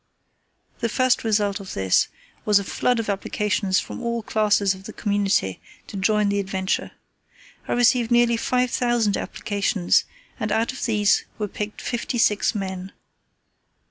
The first result of this was a flood of applications from all classes of the community to join the adventure. I received nearly five thousand applications, and out of these were picked fifty six men.